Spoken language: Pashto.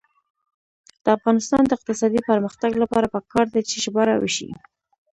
د افغانستان د اقتصادي پرمختګ لپاره پکار ده چې ژباړه وشي.